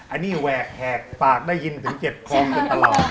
อันนี้แหวกแหกปากได้ยินถึงเจ็บคองกันตลอด